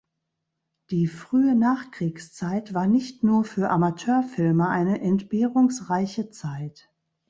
Die frühe Nachkriegszeit war nicht nur für Amateurfilmer eine entbehrungsreiche Zeit.